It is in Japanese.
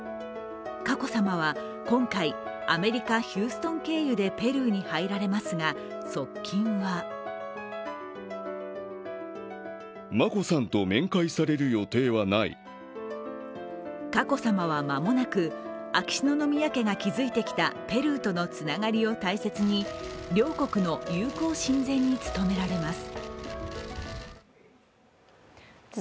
佳子さまは今回、アメリカ・ヒューストン経由でペルーに入られますが、側近は佳子さまは、間もなく秋篠宮家が築いてきたペルーとのつながりを大切に、両国の友好親善に務められます。